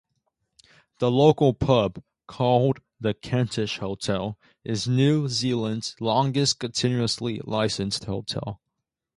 The local pub, called The Kentish Hotel, is New Zealand's longest continuously licensed hotel.